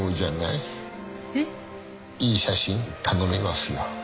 いい写真頼みますよ